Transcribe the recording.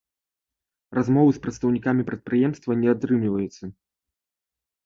Размовы з прадстаўнікамі прадпрыемства не атрымліваецца.